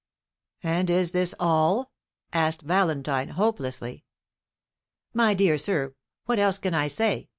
"And is this all?" asked Valentine hopelessly. "My dear sir, what else can I say?"